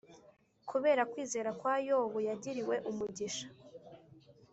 kubera kwizera kwa yobu yagiriwe umugisha